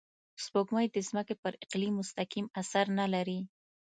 سپوږمۍ د ځمکې پر اقلیم مستقیم اثر نه لري